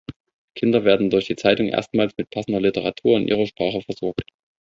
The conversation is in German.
Kinder werden durch die Zeitung erstmals mit passender Literatur in ihrer Sprache versorgt.